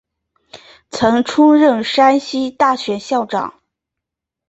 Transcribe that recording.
曾出任山西大学校长。